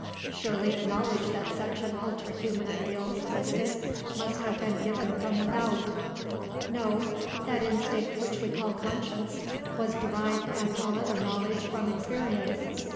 "Surely the knowledge that such an ultra human ideal existed must have been given from without." "No; that instinct which we call conscience was derived as all other knowledge from experience."